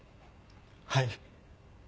はい。